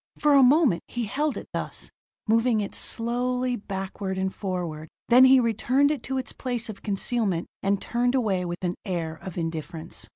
For a moment he held it thus, moving it slowly backward and forward: then he returned it to its place of concealment, and turned away with an air of indifference.